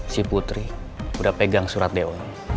si putri udah pegang surat dewa